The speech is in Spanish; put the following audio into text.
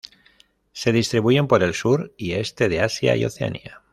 Se distribuyen por el sur y este de Asia y Oceanía.